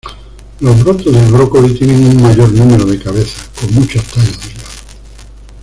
Los brotes de brócoli tienen un mayor número de cabezas, con muchos tallos delgados.